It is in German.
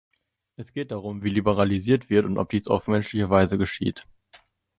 Es geht darum, wie liberalisiert wird und ob dies auf menschliche Weise geschieht.